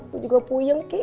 gue juga puyeng ki